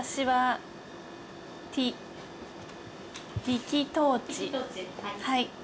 はい。